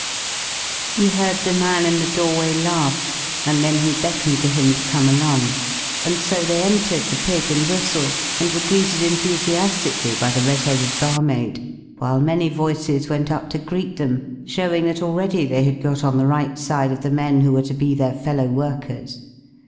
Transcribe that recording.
He heard the man in the doorway laugh, and then he beckoned to him to come along. And so they entered the "Pig and Whistle," and were greeted enthusiastically by the red headed barmaid, while many voices went up to greet them, showing that already they had got on the right side of the men who were to be their fellow workers.